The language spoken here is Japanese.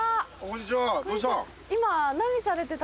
今。